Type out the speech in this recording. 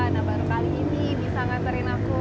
nah baru kali ini bisa ngantarin aku